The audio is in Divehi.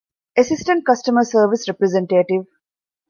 އެސިސްޓެންޓް ކަސްޓަމަރ ސަރވިސް ރެޕްރެޒެންޓޭޓިވް